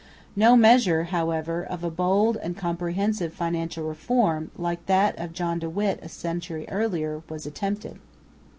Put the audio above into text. No measure, however, of a bold and comprehensive financial reform, like that of John de Witt a century earlier, was attempted.